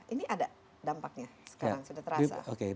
ini ada dampaknya sekarang sudah terasa